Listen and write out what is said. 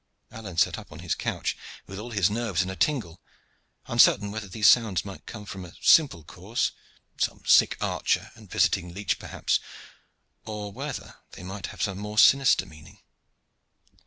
Alleyne sat up on his couch with all his nerves in a tingle, uncertain whether these sounds might come from a simple cause some sick archer and visiting leech perhaps or whether they might have a more sinister meaning.